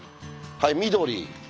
はい緑。